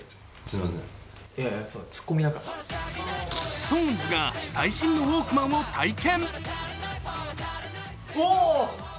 ＳｉｘＴＯＮＥＳが最新のウォークマンを体験。